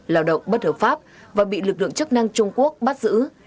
lao động bất hợp pháp và bị lực lượng chức năng trung quốc bắt giữ